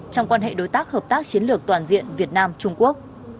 trong quan hệ đối tác hợp tác chiến lược toàn diện việt nam trung quốc